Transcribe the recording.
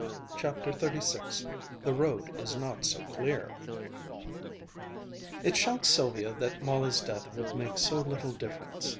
CHAPTER XXXVI THE ROAD IS NOT SO CLEAR It shocked Sylvia that Molly's death should make so little difference.